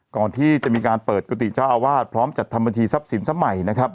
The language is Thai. ก่อนที่จะมีการเปิดกุฏิเจ้าอาวาสพร้อมจัดทำบัญชีทรัพย์สินสมัยนะครับ